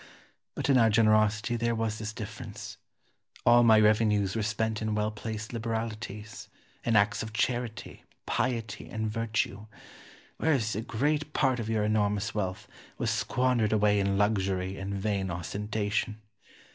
But in our generosity there was this difference all my revenues were spent in well placed liberalities, in acts of charity, piety, and virtue; whereas a great part of your enormous wealth was squandered away in luxury and vain ostentation.